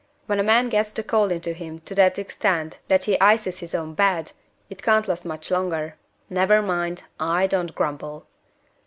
When a man gets the cold into him to that extent that he ices his own bed, it can't last much longer. Never mind! I don't grumble."